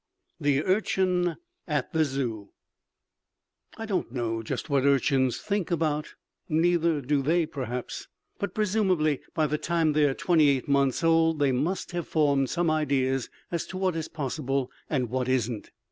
THE URCHIN AT THE ZOO I don't know just what urchins think about; neither do they, perhaps; but presumably by the time they're twenty eight months old they must have formed some ideas as to what is possible and what isn't.